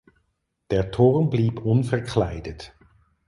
Der Turm blieb unverkleidet.